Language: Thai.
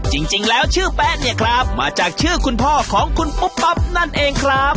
จริงแล้วชื่อแป๊ะเนี่ยครับมาจากชื่อคุณพ่อของคุณปุ๊บปั๊บนั่นเองครับ